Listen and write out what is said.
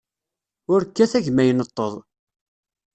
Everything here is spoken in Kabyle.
Ur kkat a gma ineṭṭeḍ.